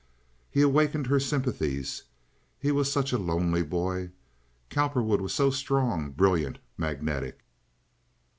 He awakened her sympathies. He was such a lonely boy. Cowperwood was so strong, brilliant, magnetic.